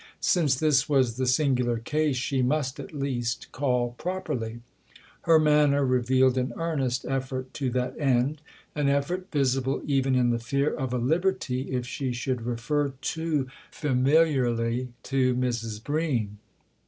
Since this was the singular case she must at least call properly. Her manner revealed an earnest effort to that end, an effort visible even in the fear of a liberty if she should refer too familiarly to Mrs. Bream.